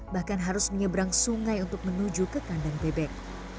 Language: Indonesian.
bahkan harus menyeberang sungai untuk menuju ke kandang bebek